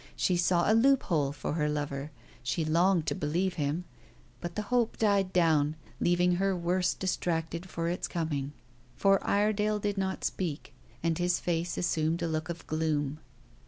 She saw a loophole for her lover. She longed to believe him. But the hope died down, leaving her worse distracted for its coming. For Iredale did not speak, and his face assumed a look of gloom.